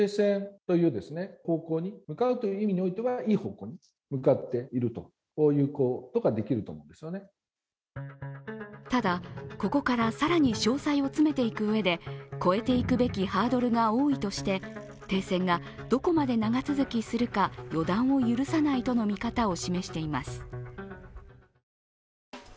一方でただ、ここから更に詳細を詰めていくうえで越えていくべきハードルが多いとして停戦がどこまで長続きするか予断を許さないとの見方を示しています。